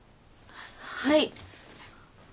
はい。